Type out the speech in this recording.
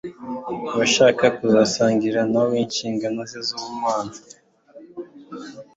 Abashaka kuzasangira na we inshingano ze z'ubumana